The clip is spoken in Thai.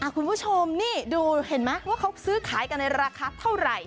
คุณผู้ชมนี่เห็นมั้ั้งว่าเขาซื้อขายในราคาเท่าไร